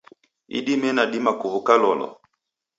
Idime nidima kuw'uka lolo?